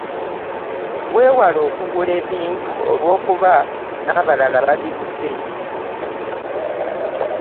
Weewale okugula ebintu, olw’okuba n’abalala babiguze